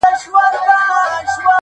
دا پر سپین کتاب لیکلی سپین عنوان ته-